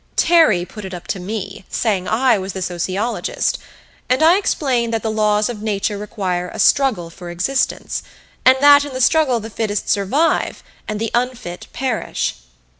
Terry put it up to me, saying I was the sociologist, and I explained that the laws of nature require a struggle for existence, and that in the struggle the fittest survive, and the unfit perish.